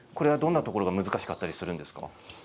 どんなところが難しかったりするんですか。